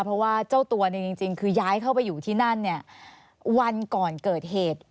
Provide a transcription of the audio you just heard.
เพราะว่าเจ้าตัวเนี่ยจริงคือย้ายเข้าไปอยู่ที่นั่นเนี่ยวันก่อนเกิดเหตุ